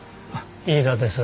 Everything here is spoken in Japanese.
飯田です。